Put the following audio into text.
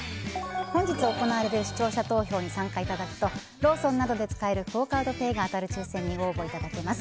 本日行われる視聴者投票にご参加いただくとローソンなどで使えるクオ・カードペイが当たる抽選にご応募いただけます。